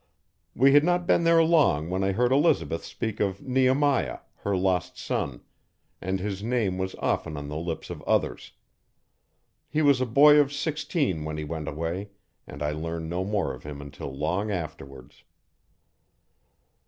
We had not been there long when I heard Elizabeth speak of Nehemiah her lost son and his name was often on the lips of others. He was a boy of sixteen when he went away, and I learned no more of him until long afterwards.